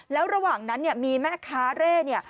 แล้วระหว่างนั้นมีแม่ค้าเร่